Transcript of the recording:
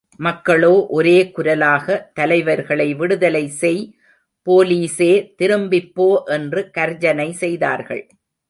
மக்களோ ஒரே குரலாக, தலைவர்களை விடுதலை செய், போலீசே திரும்பிப் போ என்று கர்ஜனை செய்தார்கள்.